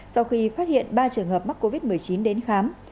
sau khi phát hiện ba trường hợp mắc covid một mươi chín đến khám